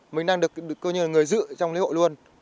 mình đang được coi như là người giữ trong lễ hội luôn